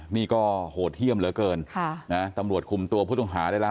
นี่ก็โหดเยี่ยมเหลือเกินค่ะนะตำรวจคุมตัวผู้ต้องหาได้แล้ว